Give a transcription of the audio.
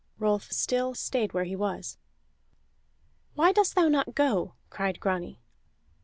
Rolf still stayed where he was. "Why dost thou not go?" cried Grani.